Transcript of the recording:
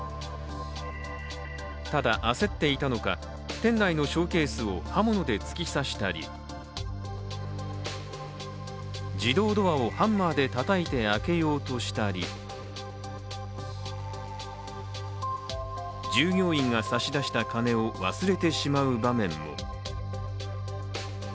ただ、焦っていたのか店内のショーケースを刃物で突き刺したり自動ドアをハンマーでたたいて開けようとしたり従業員が差し出した金を忘れてしまう場面も。